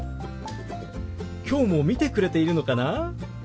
きょうも見てくれているのかな？